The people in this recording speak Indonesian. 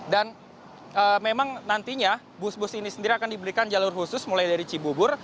dan memang nantinya bus bus ini sendiri akan diberikan jalur khusus mulai dari cibubur